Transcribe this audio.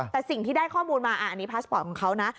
แต่สิ่งที่ได้ข้อมูลมาอันนี้พาสปอร์ตของเขานะ